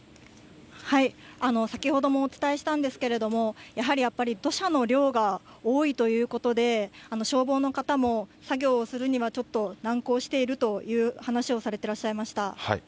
先ほどもお伝えしたんですけれども、やはりやっぱり、土砂の量が多いということで、消防の方も作業をするにはちょっと、難航しているという話をされてらっしゃいました。